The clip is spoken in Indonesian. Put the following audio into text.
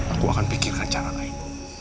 aku akan pikirkan cara lain